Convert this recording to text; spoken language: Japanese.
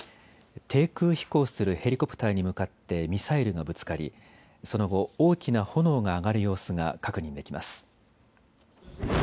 低空飛行するヘリコプターに向かってミサイルがぶつかりその後、大きな炎が上がる様子が確認できます。